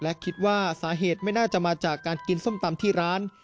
และคิดว่าสาเหตุไม่น่าจะมาจากการกินส้มตำที่ร้าน